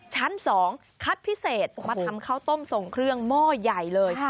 ชั้น๒คัดพิเศษมาทำข้าวต้มส่งเครื่องหม้อใหญ่เลย